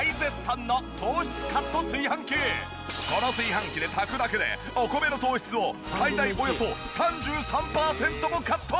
この炊飯器で炊くだけでお米の糖質を最大およそ３３パーセントもカット！